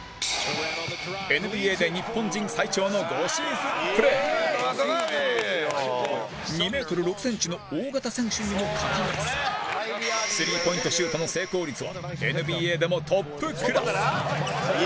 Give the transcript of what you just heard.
ＮＢＡで、日本人最長の５シーズン、プレー２ｍ６ｃｍの大型選手にもかかわらずスリーポイントシュートの成功率はＮＢＡでもトップクラス！